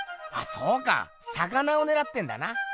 そうか魚をねらってんだな。